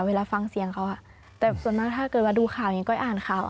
เวลาฟังเสียงเขาแต่ส่วนมากถ้าเกิดว่าดูข่าวนี้ก็อ่านข่าว